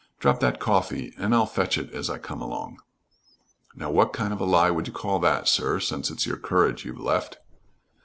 Drop that coffee and I'll fetch it as I come along." "Now, what kind of a lie would you call that, sir, since it's your courage you've left?"